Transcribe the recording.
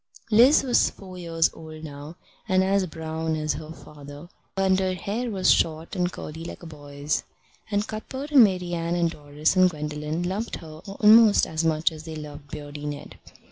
Liz was four years old now, and as brown as her father, and her hair was short and curly like a boy's; and Cuthbert and Marian and Doris and Gwendolen loved her almost as much as they loved Beardy Ned.